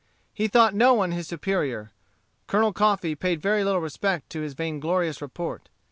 He thought no one his superior. Colonel Coffee paid very little respect to his vainglorious report.